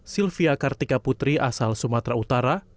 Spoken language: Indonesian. sylvia kartika putri asal sumatera utara